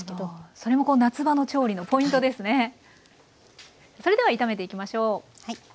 それでは炒めていきましょう。